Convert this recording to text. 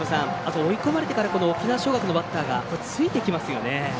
追い込まれてから沖縄尚学のバッターがついてきますよね。